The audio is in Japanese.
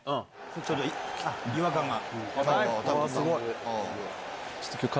ちょっと違和感が。